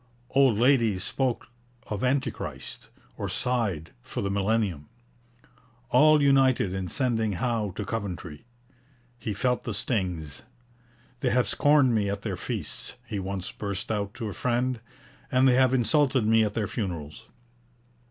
Old ladies spoke of Antichrist, or sighed for the millennium. All united in sending Howe to Coventry. He felt the stings. 'They have scorned me at their feasts,' he once burst out to a friend, 'and they have insulted me at their funerals!'